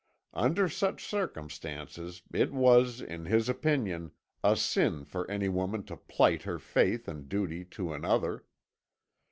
"Under such circumstances it was, in his opinion, a sin for any woman to plight her faith and duty to another.